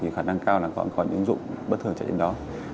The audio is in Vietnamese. khả năng cao là có những ứng dụng bất thường chạy đến đó